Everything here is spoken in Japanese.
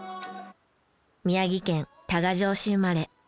宮城県多賀城市生まれ。